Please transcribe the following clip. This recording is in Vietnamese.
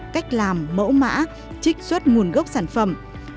cách làm mẫu mã trích xuất nguồn gốc sản phẩm